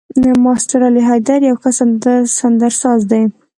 ماسټر علي حيدر يو ښه سندرساز دی.